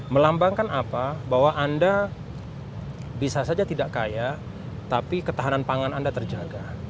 melambangkan apa bahwa anda bisa saja tidak kaya tapi ketahanan pangan anda terjaga